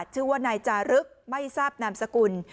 ชื่อว่านายจารึกไม่ทราบนามสกุล